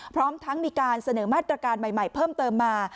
พร้อมทั้งมีการเสนอมาตรการใหม่เพิ่มเติมมา